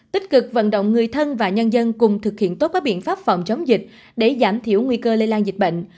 tích cực vận động người thân và nhân dân cùng thực hiện tốt các biện pháp phòng chống dịch để giảm thiểu nguy cơ lây lan dịch bệnh